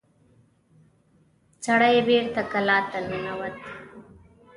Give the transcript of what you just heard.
سړی بېرته کلا ته ننوت.